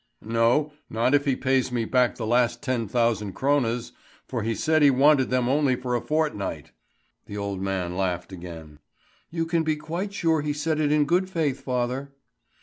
"No, not if he pays me back the last ten thousand krones; for he said he wanted them only for a fortnight." The old man laughed again. "You can be quite sure he said it in good faith, father."